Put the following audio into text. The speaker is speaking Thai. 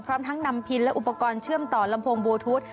พร้อมทั้งนำพินและอุปกรณ์เชื่อมต่อลำโพงโบทุธ